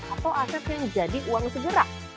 atau aset yang jadi uang segera